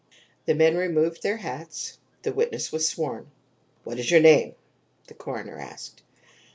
The men removed their hats. The witness was sworn. "What is your name?" the coroner asked.